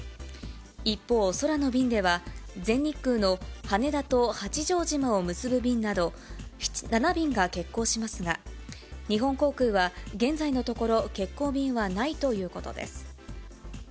一方、空の便では、全日空の羽田と八丈島を結ぶ便など、７便が欠航しますが、日本航空は現在のところ、欠航便はないということです。